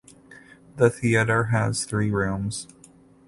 The theatre has three rooms.